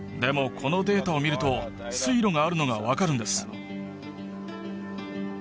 このデータを見ると水路があるのが分かるんです